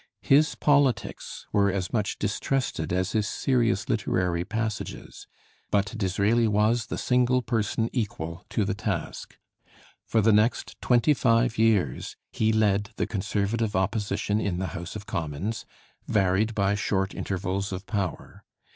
His politics were as much distrusted as his serious literary passages. But Disraeli was the single person equal to the task. For the next twenty five years he led the Conservative opposition in the House of Commons, varied by short intervals of power.